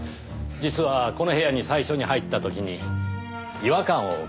実はこの部屋に最初に入った時に違和感を感じましてねぇ。